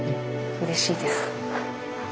うれしいです。